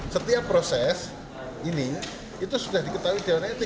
setiap proses ini itu sudah diketahui di awal netik